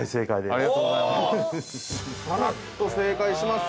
◆ありがとうございます。